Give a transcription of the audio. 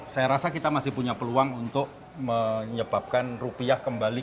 saya rasa kita masih punya peluang untuk menyebabkan rupiah kembali